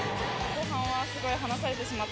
後半はすごい離されてしまっ